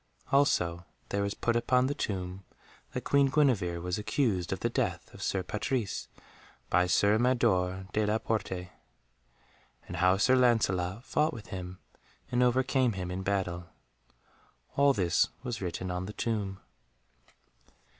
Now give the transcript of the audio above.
Also there was put upon the tomb that Queen Guenevere was accused of the death of Sir Patrise by Sir Mador de la Porte, and how Sir Lancelot fought with him and overcame him in battle. All this was written on the tomb.